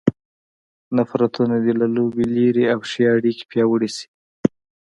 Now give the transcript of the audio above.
نفرتونه دې له لوبې لیرې او ښې اړیکې پیاوړې شي.